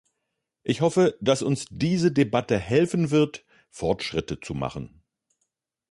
Ich hoffe, dass uns diese Debatte helfen wird, Fortschritte zu machen.